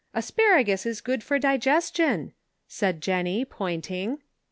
"Asparagus is good for digestion," said Jennie, pouting.